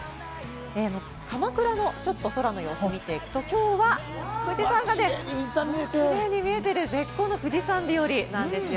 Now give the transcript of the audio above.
鎌倉のちょっと空の様子を見ていくと、今日は富士山がね、キレイに見えている絶好の富士山日和なんですよ。